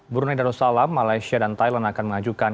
brunei dan osalam malaysia dan thailand akan mengajukan